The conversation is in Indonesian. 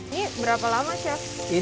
ini berapa lama chef